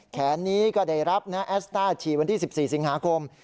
แขนนี้ก็ได้รับนะแอสต้าฉีดวันที่๑๔สิงหาคม